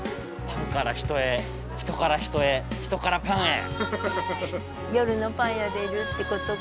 パンから人へ人から人へ人からパンへ